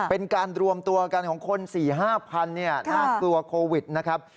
เป็นการรวมตัวกันของคน๔๕๐๐น่ากลัวโควิดนะครับ